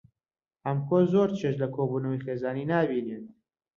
حەمکۆ زۆر چێژ لە کۆبوونەوەی خێزانی نابینێت.